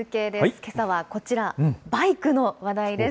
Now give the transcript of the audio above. けさはこちら、バイクの話題です。